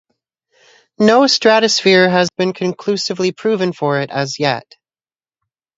No stratosphere has been conclusively proven for it as yet.